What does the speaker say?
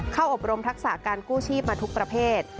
อบรมทักษะการกู้ชีพมาทุกประเภท